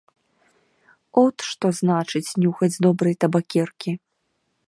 От што значыць нюхаць з добрай табакеркі!